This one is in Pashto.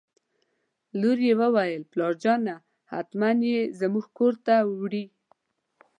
لور یې وویل: پلارجانه حتماً یې زموږ کور ته وړي.